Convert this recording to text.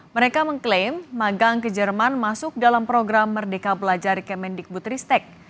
mereka mengklaim magang ke jerman masuk dalam program merdeka belajar kemendikbud ristek